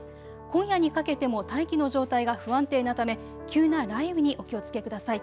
今夜にかけても大気の状態が不安定なため急な雷雨にお気をつけください。